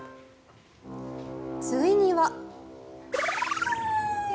ついには。